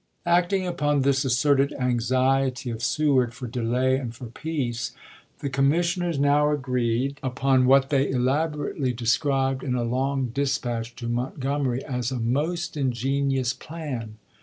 ms. Acting upon this asserted anxiety of Seward for delay and for peace, the commissioners now agreed 400 ABRAHAM LINCOLN ch. xxiv. upon what they elaborately described in a long dis patch to Montgomery as a most ingenious plan.